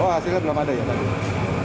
oh hasilnya belum ada ya